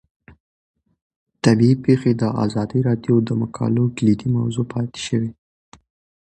طبیعي پېښې د ازادي راډیو د مقالو کلیدي موضوع پاتې شوی.